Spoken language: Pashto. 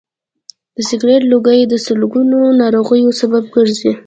د سګرټ لوګی د سلګونو ناروغیو سبب کېږي.